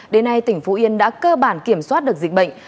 đến nay tỉnh phú yên đã cơ bản kiểm soát được dịch bệnh